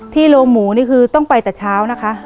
โรงหมูนี่คือต้องไปแต่เช้านะคะ